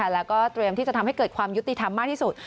แล้วก็เตรียมที่จะทำให้เกิดความยุติธรรมมากที่สุด